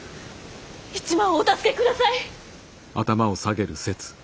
一幡をお助けください！